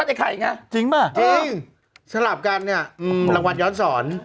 จริงป่ะจริงจำสลับกันเนี่ยอืมรางวัลย้อนสอน